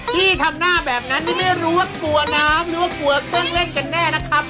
ที่ทำหน้าแบบนั้นนี่ไม่รู้ว่ากลัวน้ำหรือว่ากลัวเครื่องเล่นกันแน่นะครับ